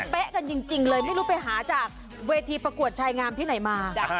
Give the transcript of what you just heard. กันจริงเลยไม่รู้ไปหาจากเวทีประกวดชายงามที่ไหนมา